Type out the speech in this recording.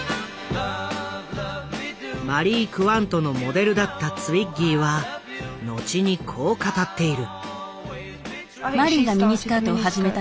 マリー・クワントのモデルだったツイッギーは後にこう語っている。